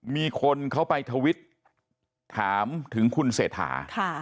มีคนเขาไปทวิตถามถึงคุณเศรษฐา